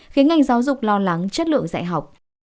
khiến ngành giáo dục lo lắng chất lượng dạy học